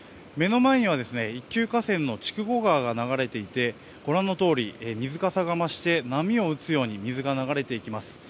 目の前には一級河川の筑後川が流れていてご覧のとおり水かさが増して波を打つように水が流れていきます。